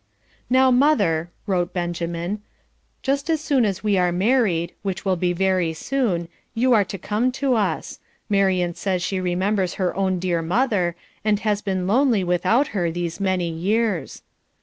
"Now, mother," wrote Benjamin, "just as soon as we are married, which will be very soon, you are to come to us. Marian says she remembers her own dear mother, and has been lonely without her these many years."